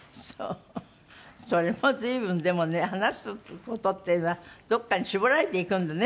それも随分でもね話す事っていうのはどこかに絞られていくんだね